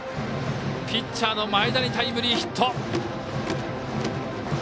ピッチャーの前田にタイムリーヒット。